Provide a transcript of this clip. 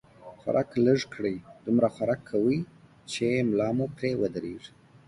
خوراک لږ کړئ، دومره خوراک کوئ، چې ملا مو پرې ودرېږي